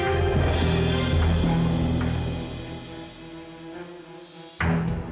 urus aja diri lo sendiri